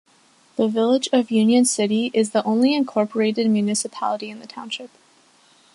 The village of Union City is the only incorporated municipality in the township.